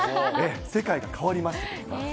世界が変わりました。